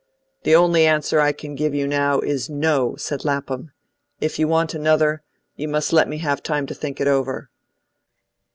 "The only answer I can give you now is, NO," said Lapham. "If you want another, you must let me have time to think it over."